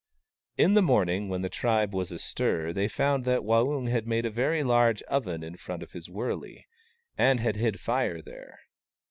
In the morning, when the tribe was astir they found that Waung had made a very large oven in front of his wurley, and had hid Fire there.